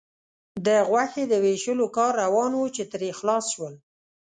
د غوښې د وېشلو کار روان و، چې ترې خلاص شول.